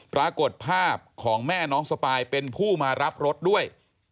ปรากฏภาพของแม่น้องสปายเป็นผู้มารับรถด้วย